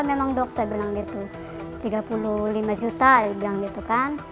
memang dok saya bilang gitu tiga puluh lima juta dia bilang gitu kan